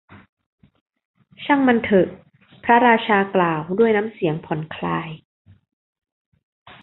ช่างมันเถอะ พระราชากล่าว ด้วยน้ำเสียงผ่อนคลาย